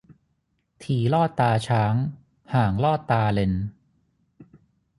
ถี่ลอดตาช้าง ห่างลอดตาเล็น